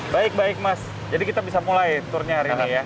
baik baik mas jadi kita bisa mulai tournya hari ini ya